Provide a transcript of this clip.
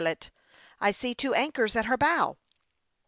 I see two anchors at her bow."